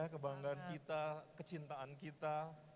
kebanggaan kita kecintaan kita